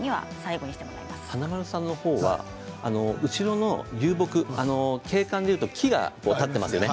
華丸さんのほうは後ろの流木、景観でいうと木が立っていますね。